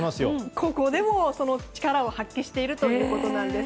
ここでもその力を発揮しているということです。